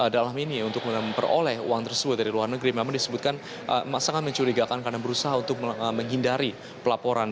dalam ini untuk memperoleh uang tersebut dari luar negeri memang disebutkan sangat mencurigakan karena berusaha untuk menghindari pelaporan